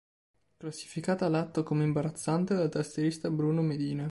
Classificata l'atto come "imbarazzante" dal tastierista Bruno Medina.